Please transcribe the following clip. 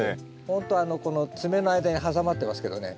ほんとこの爪の間に挟まってますけどね。